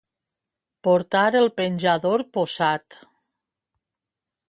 Portar el penjador posat.